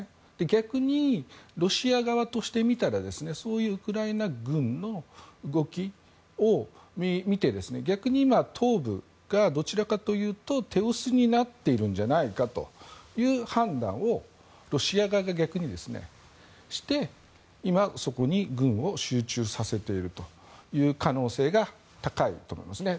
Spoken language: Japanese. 逆にロシア側としてみたらそういうウクライナ軍の動きを見て逆に今、東部がどちらかというと手薄になっているんじゃないかという判断をロシア側が逆にして今、そこに軍を集中させているという可能性が高いと思いますね。